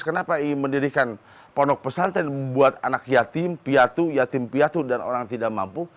kenapa ingin mendirikan pondok pesantren buat anak yatim piatu yatim piatu dan orang tidak mampu